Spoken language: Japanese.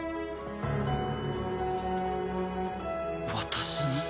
私に？